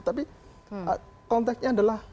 tapi konteksnya adalah